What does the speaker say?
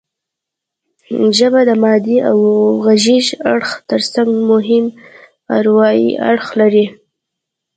ژبه د مادي او غږیز اړخ ترڅنګ مهم اروايي اړخ لري